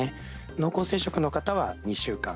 濃厚接触の方は２週間。